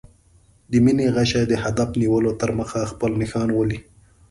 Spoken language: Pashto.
د مینې غشی د هدف نیولو تر مخه خپل نښان ولي.